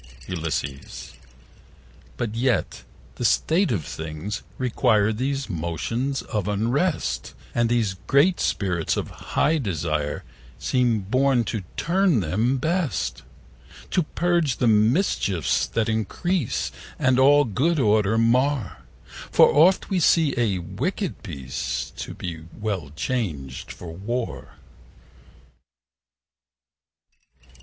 Ulysses.But yet the state of things require These motions of unrest: And these great Spirits of high desire Seem born to turn them best: 60 To purge the mischiefs that increase And all good order mar: For oft we see a wicked peace To be well changed for war.